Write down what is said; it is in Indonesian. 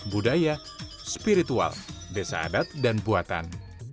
budaya spiritual desa adat dan buatan